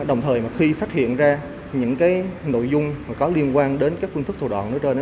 đồng thời khi phát hiện ra những nội dung có liên quan đến phương thức thủ đoạn